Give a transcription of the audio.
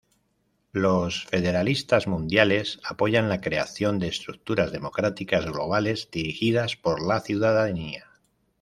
Los Federalistas Mundiales apoyan la creación de estructuras democráticas globales dirigidas por la ciudadanía.